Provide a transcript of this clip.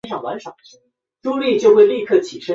晋朝渔阳人。